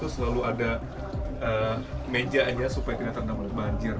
selalu ada meja nya supaya tidak terdampak banjir